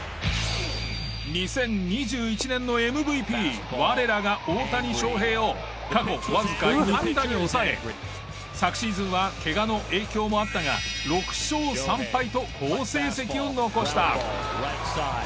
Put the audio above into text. ２０２１年のＭＶＰ我らが大谷翔平を過去わずか２安打に抑え昨シーズンはけがの影響もあったが６勝３敗と好成績を残した。